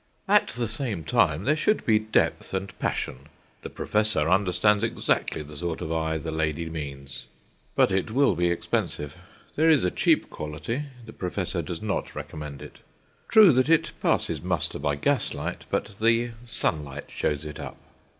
At the same time there should be depth and passion. The professor understands exactly the sort of eye the lady means. But it will be expensive. There is a cheap quality; the professor does not recommend it. True that it passes muster by gaslight, but the sunlight shows it up.